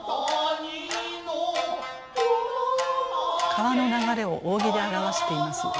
川の流れを扇で表しています。